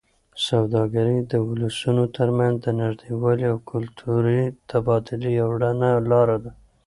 سوداګري د ولسونو ترمنځ د نږدېوالي او کلتوري تبادلې یوه رڼه لاره ده.